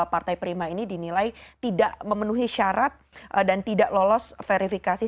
partai prima ini dinilai tidak memenuhi syarat dan tidak lolos verifikasi